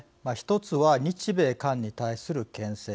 １つは日米韓に対するけん制。